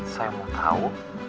saya mau tau